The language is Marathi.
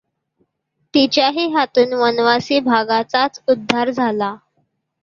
तिच्याही हातून वनवासी भागाचाच उद्धार झाला.